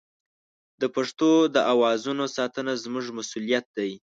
د پښتو د اوازونو ساتنه زموږ مسوولیت دی.